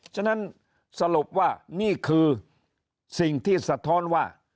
ฉะนั้นสรุปว่านี่คือสิ่งที่สะท้อนว่า